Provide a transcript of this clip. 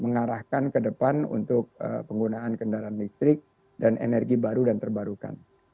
mengarahkan ke depan untuk penggunaan kendaraan listrik dan energi baru dan terbarukan